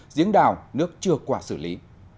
giếng đào nước chưa qua xử lý